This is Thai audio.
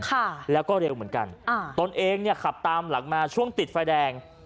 ค่ะแล้วก็เร็วเหมือนกันอ่าตนเองเนี่ยขับตามหลังมาช่วงติดไฟแดง